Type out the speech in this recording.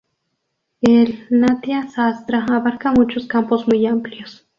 El "Natya-sastra" abarca muchos campos muy amplios.